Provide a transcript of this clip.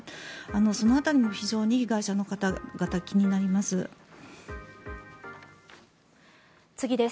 その辺りも非常に被害者の方々気になります。